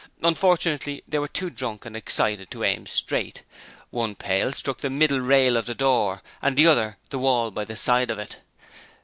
Unfortunately, they were too drunk and excited to aim straight. One pail struck the middle rail of the door and the other the wall by the side of it.